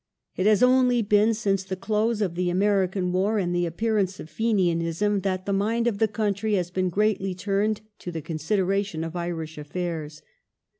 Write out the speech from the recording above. " It has only been since the close of the American War and the appearance of Fenianism that the mind of the country has been greatly turned to the consideration of Irish affairs."